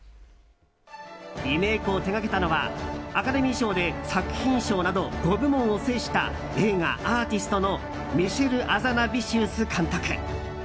リメイクを手掛けたのはアカデミー賞で作品賞など５部門を制した映画「アーティスト」のミシェル・アザナヴィシウス監督。